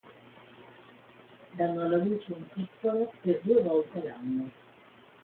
Danno alla luce un piccolo per due volte l'anno.